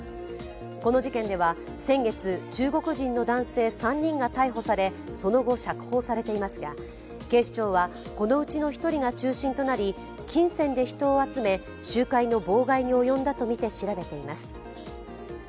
この事件では先月中国人の男性３人が逮捕されその後釈放されていますが、警視庁はこのうちの１人が中心となり金銭で人を集め集会の妨害に及んだとみて調べています。